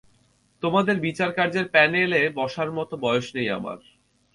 তোমাদের বিচারকার্যের প্যানেলে বসার মতো বয়স আমার নেই!